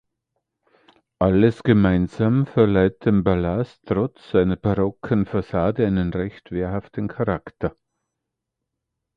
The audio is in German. Alles gemeinsam verleiht dem Palast trotz seiner barocken Fassade einen recht wehrhaften Charakter.